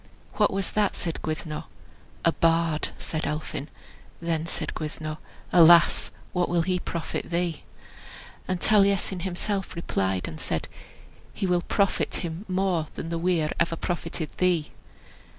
"What was that?" said Gwyddno. "A bard," said Elphin. Then said Gwyddno, "Alas! what will he profit thee?" And Taliesin himself replied and said, "He will profit him more than the weir ever profited thee."